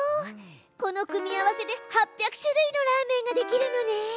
この組み合わせで８００種類のラーメンができるのね！